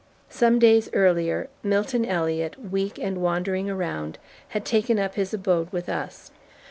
Some days earlier Milton Elliot, weak and wandering around, had taken up his abode with us.